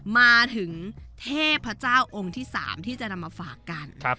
มาถึงเทพเจ้าองค์ที่๓ที่จะนำมาฝากกัน